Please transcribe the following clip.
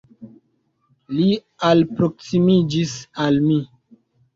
Li alproksimiĝis al mi.